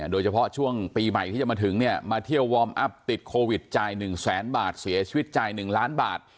โดยเฉพาะช่วงปีใหม่ที่จะมาถึงเนี่ยมาเที่ยววอร์มอัพติดโควิดจ่าย๑แสนบาทเสียชีวิตจ่าย๑ล้านบาท